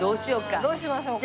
どうしましょうか。